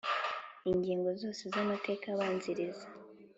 Ingingo zose z amateka abanziriza